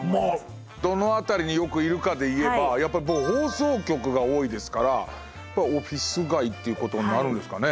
どの辺りによくいるかで言えばやっぱり僕放送局が多いですからオフィス街っていうことになるんですかね？